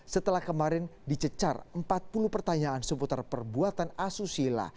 setelah kemarin dicecar empat puluh pertanyaan seputar perbuatan asusila